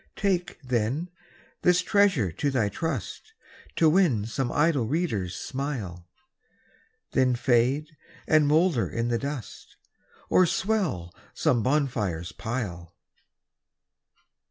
Take, then, this treasure to thy trust, To win some idle reader's smile, Then fade and moulder in the dust, Or swell some bonfire's pile.